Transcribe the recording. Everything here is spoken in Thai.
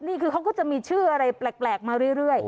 นี่คือเขาก็จะมีชื่ออะไรแปลกมาเรื่อย